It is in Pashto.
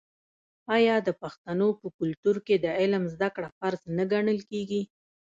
آیا د پښتنو په کلتور کې د علم زده کړه فرض نه ګڼل کیږي؟